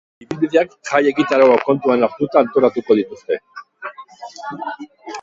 Ibilbideak jai egitaraua kontuan hartuta antolatuko dituzte.